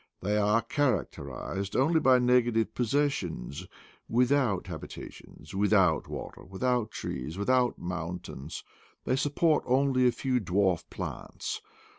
They are character ized only by negative possessions ; without habita tions, without water, without trees, without moun tains, they support only a few dwarf plants.